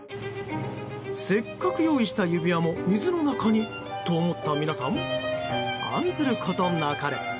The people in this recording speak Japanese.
せっかく用意した指輪も水の中に。と、思った皆さん案ずることなかれ。